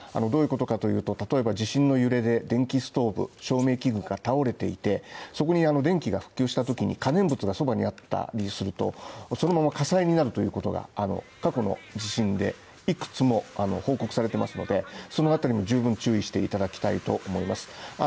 どういうことかというと例えば地震の揺れで電気ストーブ、照明器具が倒れていて、そこに電気が復旧したときに可燃物がそばにあったりすると、そのまま火災になるということが過去の地震でいくつも報告されてますので、そのあたりも十分注意していただきたいと思います。